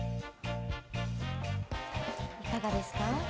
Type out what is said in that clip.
いかがですか？